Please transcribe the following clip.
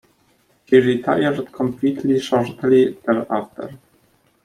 He retired completely shortly thereafter.